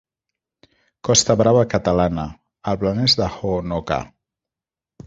Costa Brava catalana—, el Blanes de Hoonoka'a.